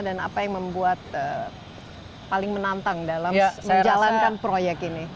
dan apa yang membuat paling menantang dalam menjalankan proyek ini